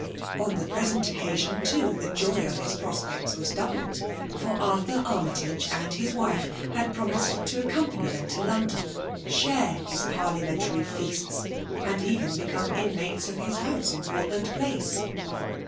On the present occasion, too, the joy of his prospects was doubled ; for Arthur Army* tage and his wife had promiseid to accompany them to London, share his parliamentary feasts, and even become inmates of his house in Port land Place.